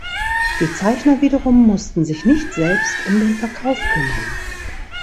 Die Zeichner wiederum mussten sich nicht selbst um den Verkauf kümmern.